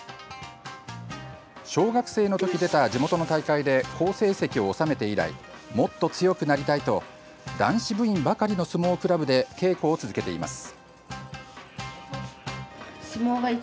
小学生の時出た地元の大会で好成績を収めて以来もっと強くなりたいと男子部員ばかりの相撲クラブで稽古を続けています。